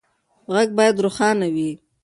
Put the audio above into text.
غږ باید روښانه وي.